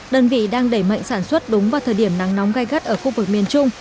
đơn vị đang đẩy mạnh sản xuất đúng vào thời điểm nắng nóng gai gắt ở khu vực miền trung